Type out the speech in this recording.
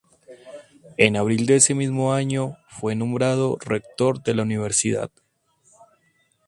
En abril de ese mismo año, fu nombrado rector de la Universidad.